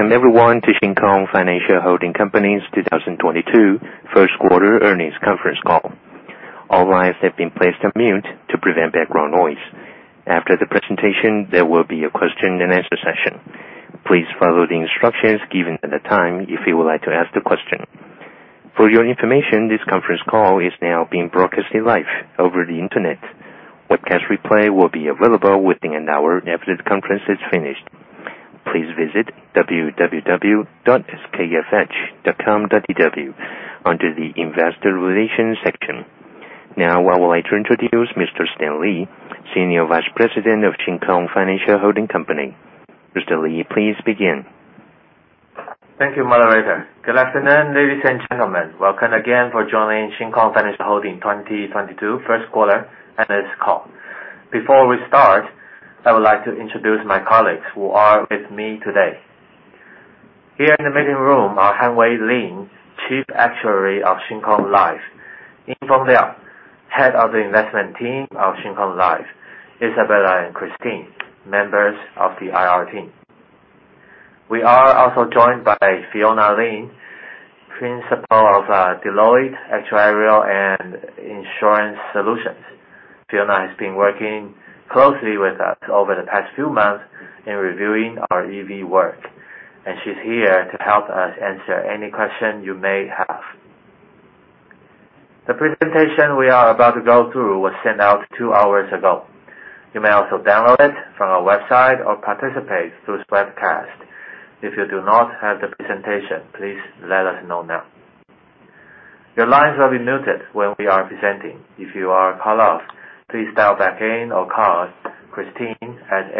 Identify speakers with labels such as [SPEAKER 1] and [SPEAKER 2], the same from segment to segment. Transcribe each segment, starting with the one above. [SPEAKER 1] Welcome everyone to Shin Kong Financial Holding Company's 2022 first quarter earnings conference call. All lines have been placed on mute to prevent background noise. After the presentation, there will be a question and answer session. Please follow the instructions given at the time if you would like to ask the question. For your information, this conference call is now being broadcasted live over the Internet. Webcast replay will be available within an hour after the conference is finished. Please visit www.skfh.com.tw under the Investor Relations section. Now I would like to introduce Mr. Stan Lee, Senior Vice President of Shin Kong Financial Holding Company. Mr. Lee, please begin.
[SPEAKER 2] Thank you, moderator. Good afternoon, ladies and gentlemen. Welcome again for joining Shin Kong Financial Holding 2022 first quarter earnings call. Before we start, I would like to introduce my colleagues who are with me today. Here in the meeting room are Hanwei Lin, Chief Actuary of Shin Kong Life; Yin-Fang Liao, Head of the Investment Team of Shin Kong Life; Isabella and Christine, members of the IR team. We are also joined by Fiona Lin, Principal of Deloitte Actuarial & Insurance Solutions. Fiona has been working closely with us over the past few months in reviewing our EV work, and she's here to help us answer any question you may have. The presentation we are about to go through was sent out two hours ago. You may also download it from our website or participate through webcast. If you do not have the presentation, please let us know now. Your lines will be muted when we are presenting. If you are cut off, please dial back in or call Christine at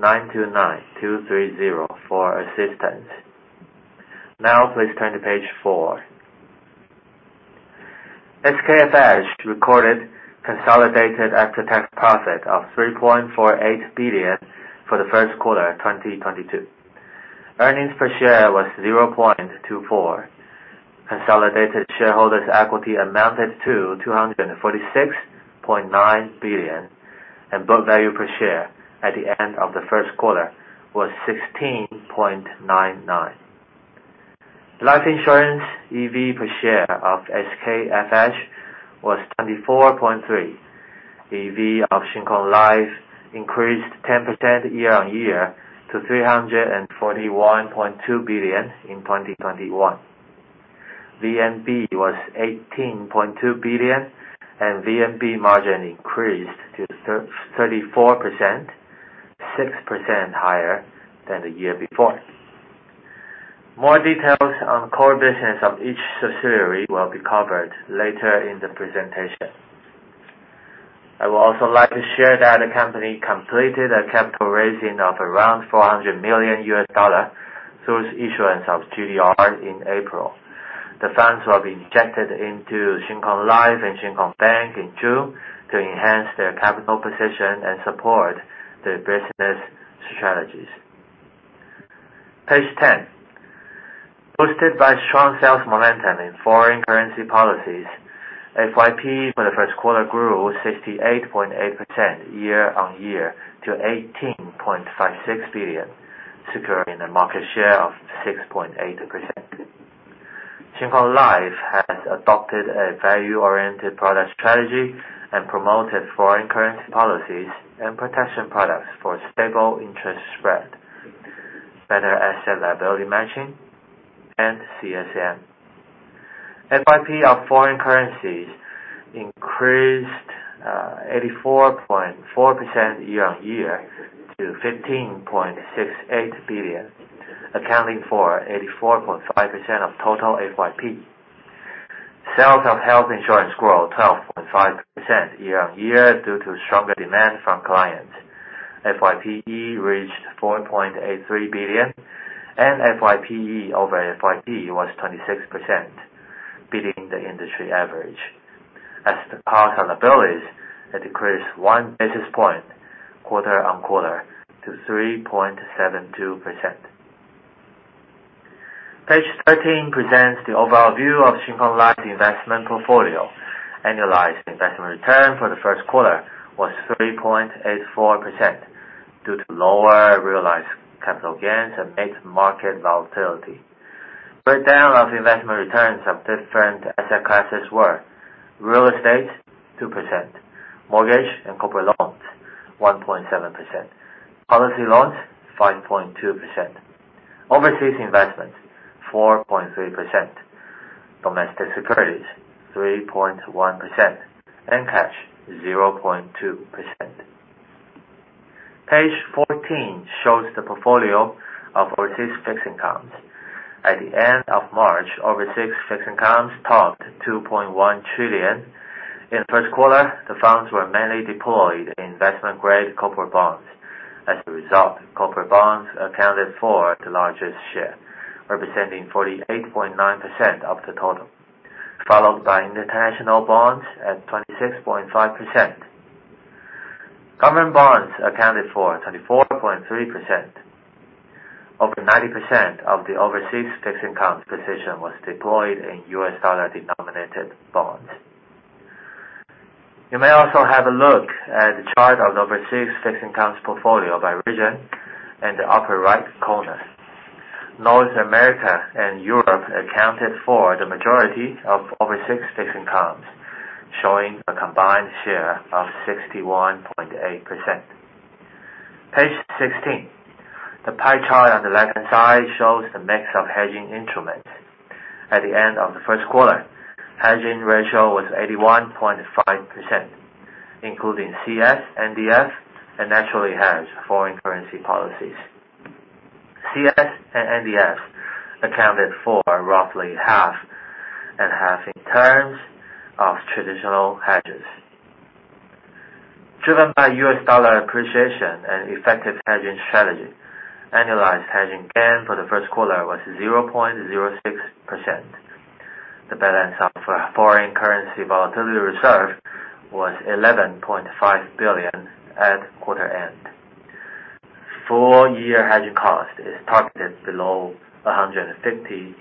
[SPEAKER 2] 886-9689-29230 for assistance. Now please turn to page four. SKFH recorded consolidated after-tax profit of TWD 3.48 billion for the first quarter 2022. Earnings per share was 0.24. Consolidated shareholders' equity amounted to 246.9 billion, and book value per share at the end of the first quarter was 16.99. Life insurance EV per share of SKFH was 24.3. EV of Shin Kong Life increased 10% year-on-year to 341.2 billion in 2021. VNB was 18.2 billion, and VNB margin increased to 34%, 6% higher than the year before. More details on core business of each subsidiary will be covered later in the presentation. I would also like to share that the company completed a capital raising of around $400 million through its issuance of GDR in April. The funds will be injected into Shin Kong Life and Shin Kong Bank in June to enhance their capital position and support their business strategies. Page 10. Boosted by strong sales momentum in foreign currency policies, FYP for the first quarter grew 68.8% year-over-year to 18.56 billion, securing a market share of 6.8%. Shin Kong Life has adopted a value-oriented product strategy and promoted foreign currency policies and protection products for stable interest spread, better asset-liability matching, and CSM. FYP of foreign currencies increased 84.4% year-over-year to 15.68 billion, accounting for 84.5% of total FYP. Sales of health insurance grew 12.5% year-over-year due to stronger demand from clients. FYPE reached 4.83 billion, and FYPE over FYP was 26%, beating the industry average. As to cost and expenses, it decreased one basis point quarter-over-quarter to 3.72%. Page 13 presents the overview of Shin Kong Life investment portfolio. Annualized investment return for the first quarter was 3.84% due to lower realized capital gains amid market volatility. Breakdown of investment returns of different asset classes were real estate, 2%; mortgage and corporate loans, 1.7%; policy loans, 5.2%; overseas investments, 4.3%; domestic securities, 3.1%; and cash, 0.2%. Page 14 shows the portfolio of overseas fixed incomes. At the end of March, overseas fixed incomes topped 2.1 trillion. In the first quarter, the funds were mainly deployed in investment-grade corporate bonds. As a result, corporate bonds accounted for the largest share, representing 48.9% of the total, followed by international bonds at 26.5%. Government bonds accounted for 24.3%. Over 90% of the overseas fixed income position was deployed in US dollar-denominated bonds. You may also have a look at the chart of overseas fixed income portfolio by region in the upper right corner. North America and Europe accounted for the majority of overseas fixed incomes, showing a combined share of 61.8%. Page 16. The pie chart on the left-hand side shows the mix of hedging instruments. At the end of the first quarter, hedging ratio was 81.5%, including CS, NDF, and naturally hedged foreign currency policies. CS and NDF accounted for roughly half and half in terms of traditional hedges. Driven by US dollar appreciation and effective hedging strategy, annualized hedging gain for the first quarter was 0.06%. The balance of our foreign currency volatility reserve was 11.5 billion at quarter end. Full year hedging cost is targeted below 150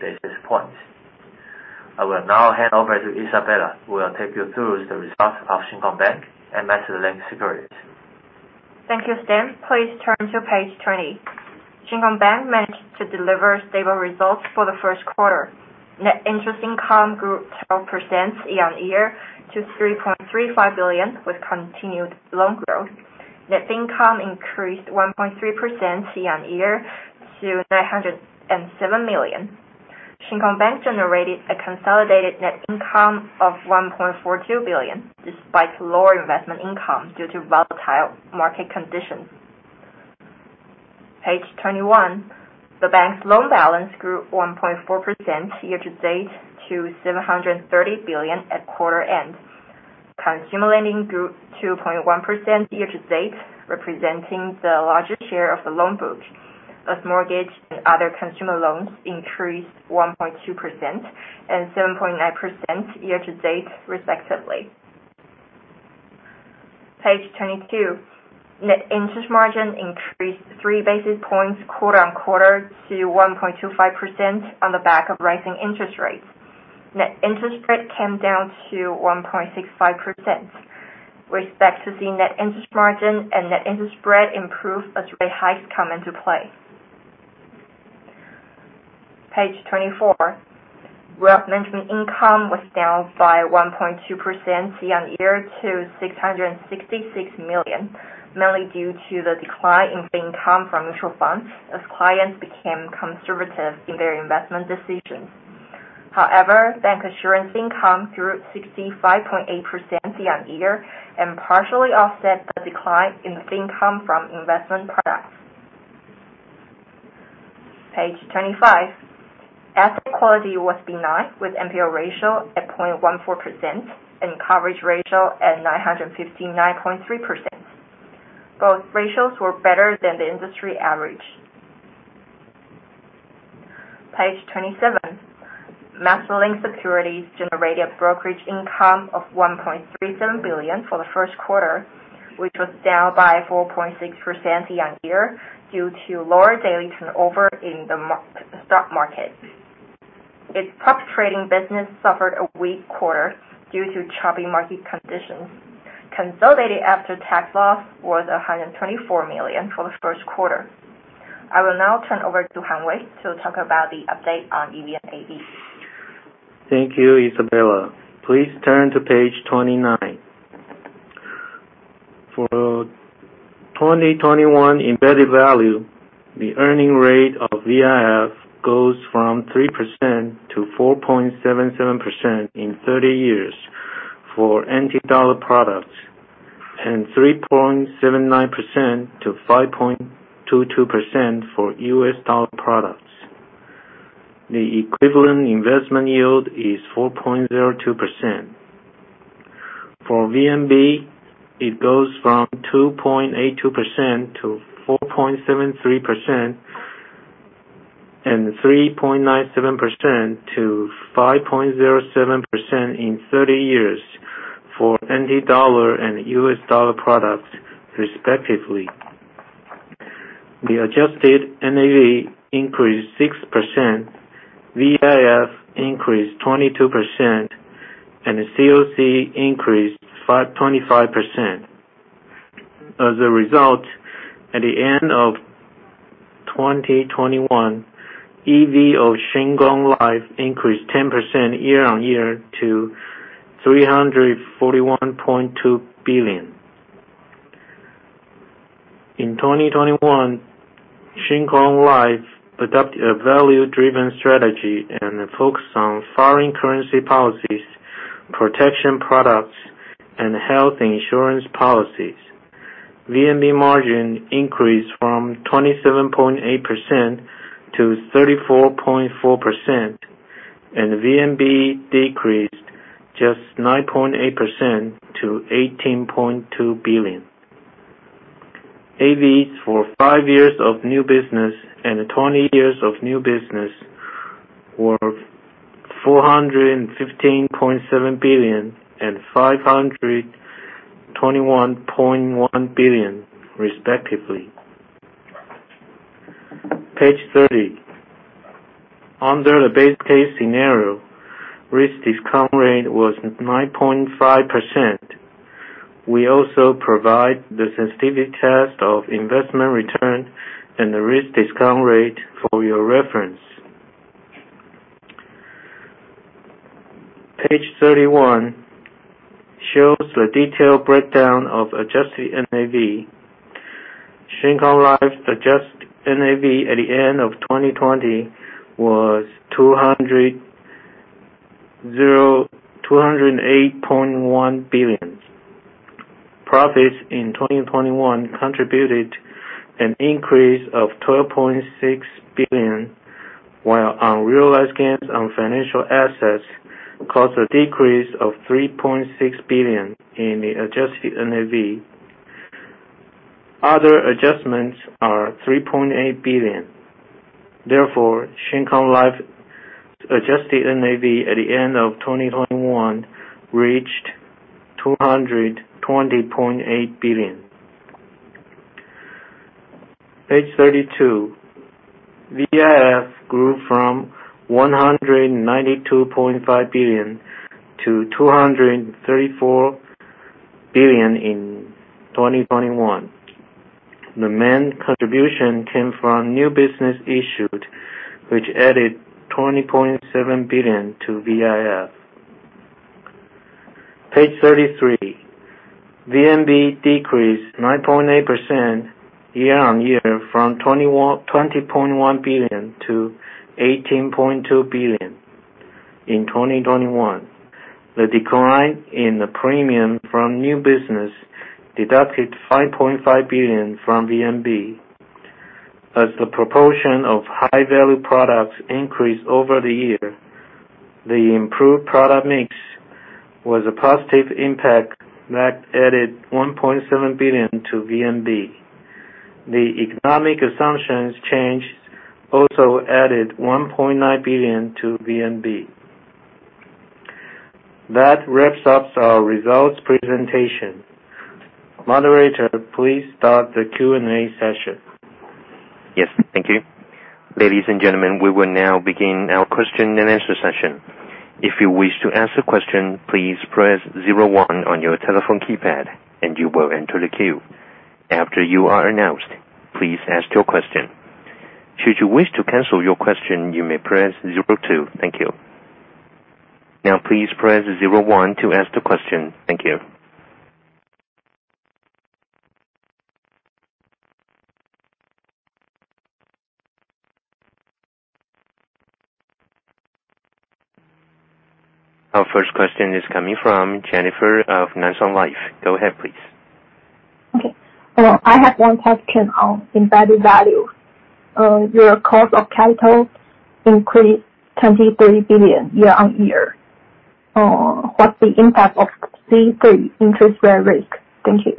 [SPEAKER 2] basis points. I will now hand over to Isabella, who will take you through the results of Shin Kong Bank and MasterLink Securities.
[SPEAKER 3] Thank you, Stan Lee. Please turn to page 20. Shin Kong Bank managed to deliver stable results for the first quarter. Net interest income grew 12% year-on-year to 3.35 billion with continued loan growth. Net income increased 1.3% year-on-year to 907 million. Shin Kong Bank generated a consolidated net income of 1.42 billion, despite lower investment income due to volatile market conditions. Page 21. The bank's loan balance grew 1.4% year-to-date to 730 billion at quarter end. Consumer lending grew 2.1% year-to-date, representing the largest share of the loan book, as mortgage and other consumer loans increased 1.2% and 7.9% year-to-date respectively. Page 22. Net interest margin increased 3 basis points quarter-on-quarter to 1.25% on the back of rising interest rates. Net interest spread came down to 1.65%. We expect to see net interest margin and net interest spread improve as rate hikes come into play. Page 24. Wealth management income was down by 1.2% year-on-year to 666 million, mainly due to the decline in income from mutual funds as clients became conservative in their investment decisions. However, bancassurance income grew 65.8% year-on-year and partially offset the decline in the fee income from investment products. Page 25. Asset quality was benign, with NPL ratio at 0.14% and coverage ratio at 959.3%. Both ratios were better than the industry average. Page 27. MasterLink Securities generated brokerage income of 1.37 billion for the first quarter, which was down by 4.6% year-on-year due to lower daily turnover in the stock market. Its prop trading business suffered a weak quarter due to choppy market conditions. Consolidated after-tax loss was 124 million for the first quarter. I will now turn over to Hanwei Lin to talk about the update on EVAV.
[SPEAKER 4] Thank you, Isabella. Please turn to page 29. For 2021 embedded value, the earning rate of VIF goes from 3%-4.77% in 30 years for NT dollar products and 3.79%-5.22% for US dollar products. The equivalent investment yield is 4.02%. For VNB, it goes from 2.82%-4.73% and 3.97%-5.07% in 30 years for NT dollar and US dollar products respectively. The adjusted NAV increased 6%, VIF increased 22%, and the COC increased 25%. As a result, at the end of 2021, EV of Shin Kong Life increased 10% year-on-year to TWD 341.2 billion. In 2021, Shin Kong Life adopted a value-driven strategy and a focus on foreign currency policies, protection products, and health insurance policies. VNB margin increased from 27.8% to 34.4%, and VNB decreased just 9.8% to 18.2 billion. AVs for five years of new business and twenty years of new business were 415.7 billion and 521.1 billion respectively. Page 30. Under the base case scenario, risk discount rate was 9.5%. We also provide the sensitivity test of investment return and the risk discount rate for your reference. Page 31 shows the detailed breakdown of adjusted NAV. Shin Kong Life adjusted NAV at the end of 2020 was 208.1 billion. Profits in 2021 contributed an increase of 12.6 billion, while unrealized gains on financial assets caused a decrease of 3.6 billion in the adjusted NAV. Other adjustments are 3.8 billion. Therefore, Shin Kong Life adjusted NAV at the end of 2021 reached TWD 220.8 billion. Page 32. VIF grew from 192.5 billion to 234 billion in 2021. The main contribution came from new business issued, which added 20.7 billion to VIF. Page 33. VNB decreased 9.8% year-on-year from 20.1 billion to 18.2 billion in 2021. The decline in the premium from new business deducted 5.5 billion from VNB. As the proportion of high-value products increased over the year, the improved product mix was a positive impact that added 1.7 billion to VNB. The economic assumptions change also added 1.9 billion to VNB. That wraps up our results presentation. Moderator, please start the Q&A session.
[SPEAKER 1] Yes. Thank you. Ladies and gentlemen, we will now begin our question and answer session. If you wish to ask a question, please press zero one on your telephone keypad and you will enter the queue. After you are announced, please ask your question. Should you wish to cancel your question, you may press zero two. Thank you. Now, please press zero one to ask the question. Thank you. Our first question is coming from Jennifer of Nanshan Life. Go ahead, please.
[SPEAKER 5] I have one question on embedded value. Your cost of capital increased 23 billion year-on-year. What's the impact of C3 interest rate risk? Thank you.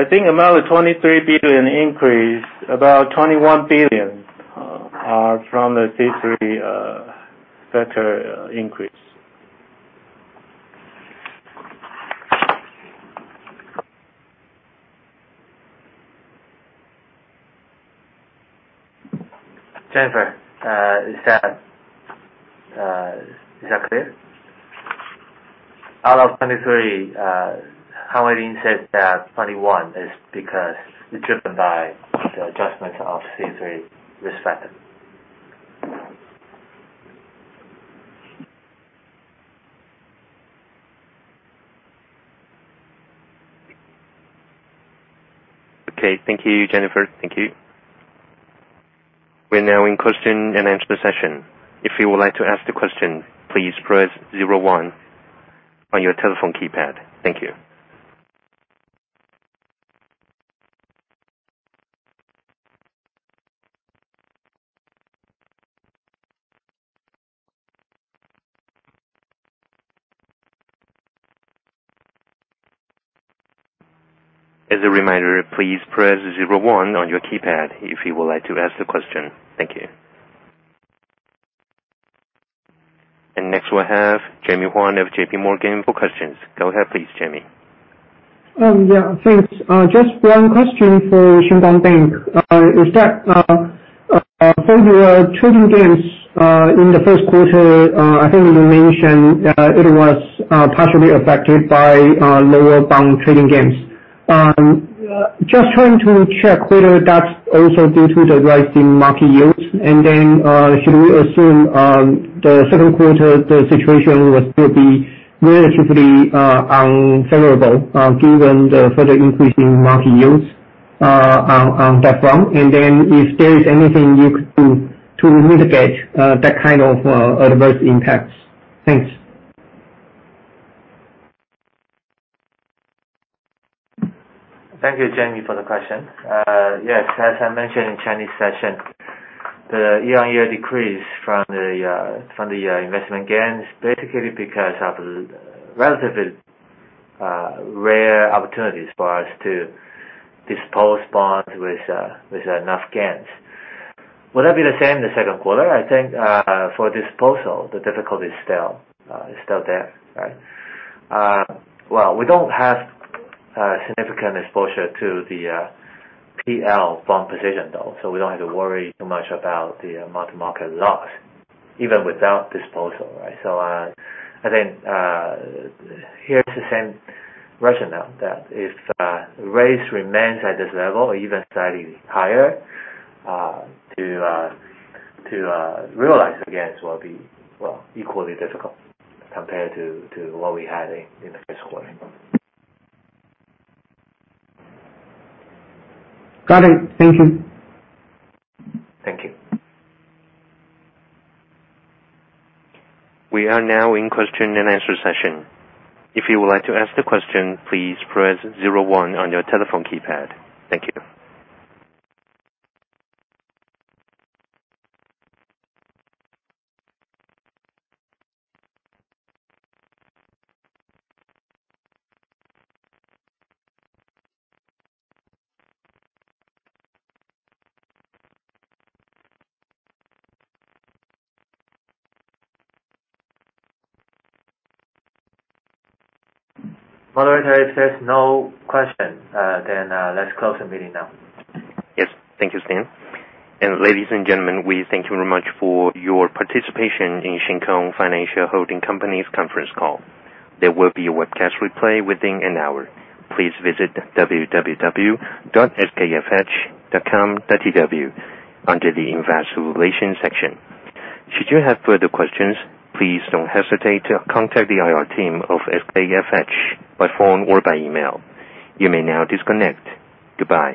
[SPEAKER 4] I think about the 23 billion increase, about 21 billion are from the C3 factor increase.
[SPEAKER 1] Jennifer, is that clear? Out of 23, Hanwei Lin said that 21 is because it's driven by the adjustments of C3 risk factor. Okay. Thank you, Jennifer. Thank you. We're now in question and answer session. If you would like to ask the question, please press zero one on your telephone keypad. Thank you. As a reminder, please press zero one on your keypad if you would like to ask the question. Thank you. Next we have Jamie Huang of JPMorgan for questions. Go ahead, please, Jamie.
[SPEAKER 6] Yeah, thanks. Just one question for Shin Kong Bank. Is that for your trading gains in the first quarter? I think you mentioned it was partially affected by lower bond trading gains. Just trying to check whether that's also due to the rise in market yields. Should we assume the second quarter the situation will still be relatively unfavorable given the further increase in market yields on that front? If there is anything you could do to mitigate that kind of adverse impacts. Thanks.
[SPEAKER 2] Thank you, Jamie, for the question. Yes, as I mentioned in Chinese session, the year-on-year decrease from the investment gains basically because of relatively rare opportunities for us to dispose bonds with enough gains. Will that be the same in the second quarter? I think, for disposal, the difficulty is still there, right? Well, we don't have significant exposure to the P&L bond position though, so we don't have to worry too much about the mark-to-market loss even without disposal. Right? So, I think, here's the same rationale that if rates remains at this level or even slightly higher, to realize the gains will be, well, equally difficult compared to what we had in the first quarter. Got it. Thank you. Thank you.
[SPEAKER 1] We are now in question and answer session. If you would like to ask the question, please press zero one on your telephone keypad. Thank you.
[SPEAKER 2] Moderator, if there's no question, then, let's close the meeting now.
[SPEAKER 1] Yes. Thank you, Stan. Ladies and gentlemen, we thank you very much for your participation in Shin Kong Financial Holding Company's conference call. There will be a webcast replay within an hour. Please visit www.skfh.com.tw under the Investor Relations section. Should you have further questions, please don't hesitate to contact the IR team of SKFH by phone or by email. You may now disconnect. Goodbye.